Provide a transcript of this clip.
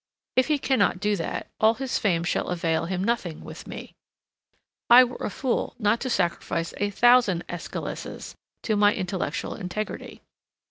If he cannot do that, all his fame shall avail him nothing with me. I were a fool not to sacrifice a thousand Æschyluses to my intellectual integrity.